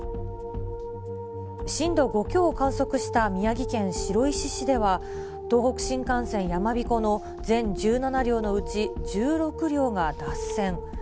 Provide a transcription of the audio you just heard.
震度５強を観測した宮城県白石市では、東北新幹線やまびこの全１７両のうち１６両が脱線。